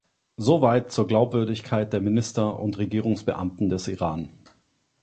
Soweit zur Glaubwürdigkeit der Minister und Regierungsbeamten des Iran.